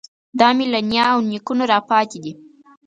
دا مې له نیا او نیکونو راپاتې دی.